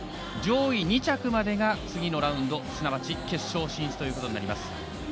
上位２着までが次のラウンドすなわち決勝進出ということになります。